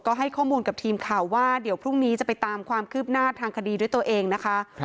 ก็ให้ข้อมูลกับทีมข่าวว่าเดี๋ยวพรุ่งนี้จะไปตามความคืบหน้าทางคดีด้วยตัวเองนะคะ